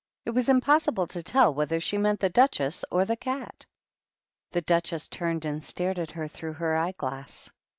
It was impossible to tell whether she meant the Duchess or the Cat. The Duchess turned and stared at her through her eye glass.